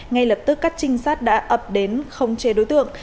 ngay lập tức các trinh sát đã ập đến khống chế đối tượng